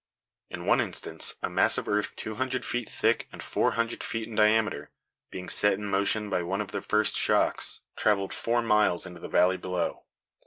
In one instance, a mass of earth two hundred feet thick and four hundred feet in diameter, being set in motion by one of the first shocks, traveled four miles into the valley below.